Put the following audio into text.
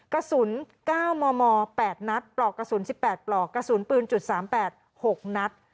กระสุน๙มม๘นัดปลอกกระสุน๑๘ปลอกกระสุนปืน๓๘๖นัด